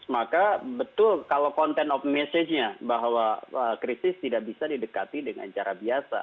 maka betul kalau content of message nya bahwa krisis tidak bisa didekati dengan cara biasa